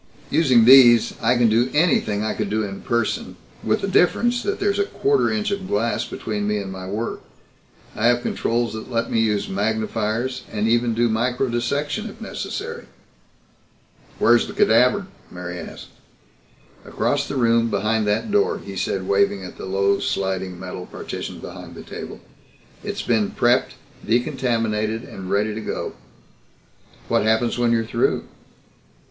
Using these I can do anything I could in person with the difference that there's a quarter inch of glass between me and my work. I have controls that let me use magnifiers, and even do microdissection, if necessary." "Where's the cadaver?" Mary asked. "Across the room, behind that door," he said, waving at the low, sliding metal partition behind the table. "It's been prepped, decontaminated and ready to go." "What happens when you're through?"